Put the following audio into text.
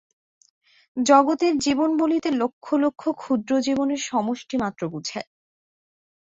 জগতের জীবন বলিতে লক্ষ লক্ষ ক্ষুদ্র জীবনের সমষ্টিমাত্র বুঝায়।